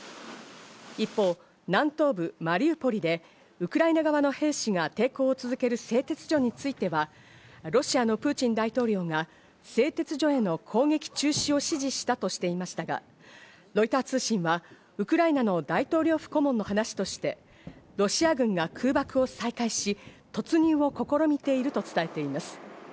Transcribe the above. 一方、南東部マリウポリでウクライナ側の兵士が抵抗を続ける製鉄所については、ロシアのプーチン大統領が製鉄所への攻撃中止を指示したとしていましたが、ロイター通信はウクライナの大統領府顧問の話として、ロシア軍が空爆を再開し突入を試みていると伝えています。